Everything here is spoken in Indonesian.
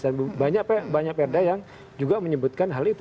dan banyak banyak perda yang juga menyebutkan hal itu